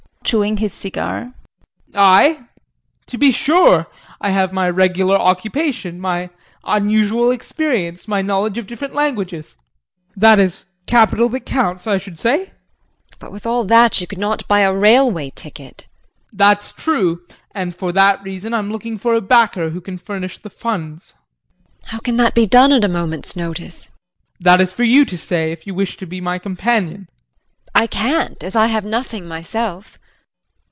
JEAN [Chewing his cigar]. I? To be sure. I have my regular occupation, my unusual experience, my knowledge of different languages that is capital that counts, I should say. JULIE. But with all that you could not buy a railway ticket. JEAN. That's true, and for that reason I'm looking for a backer who can furnish the funds. JULIE. How can that be done at a moment's notice? JEAN. That is for you to say, if you wish to be my companion. JULIE. I can't as I have nothing myself.